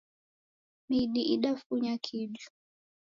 Midi idafunya kiju.